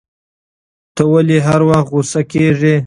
ته ولي هر وخت غوسه کیږی